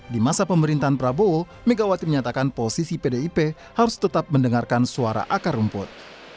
di masa pemerintahan prabowo megawati menyatakan posisi pdip harus tetap mendengarkan suara akar rumput